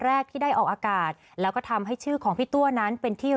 แรกที่ได้ออกอากาศแล้วก็ทำให้ชื่อของพี่ตัวนั้นเป็นที่